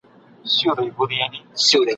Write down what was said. شاوخوا یې پلټی ځای په دوکان کي !.